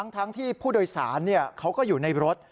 ทั้งที่ผู้โดยสารเขาก็อยู่ในรถ